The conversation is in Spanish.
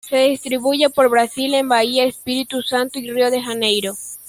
Se distribuye por Brasil en Bahia, Espírito Santo y Rio de Janeiro.